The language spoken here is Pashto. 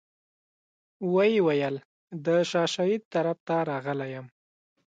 ویې ویل د شاه شهید طرف ته راغلی یم.